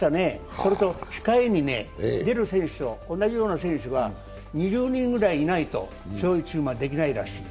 それと控えに出る選手、同じような選手が２０人ぐらいいないと強いチームはできないらしい。